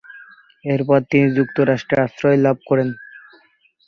এরপর তিনি যুক্তরাষ্ট্রে আশ্রয় লাভ করেন।